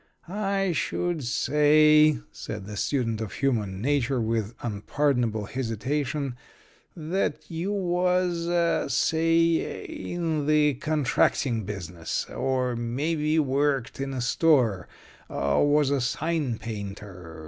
"I should say," said the student of human nature with unpardonable hesitation, "that you was, say, in the contracting business or maybe worked in a store or was a sign painter.